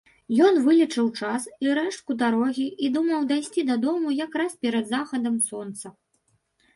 Ён вылічыў час і рэштку дарогі і думаў дайсці дадому якраз перад захадам сонца.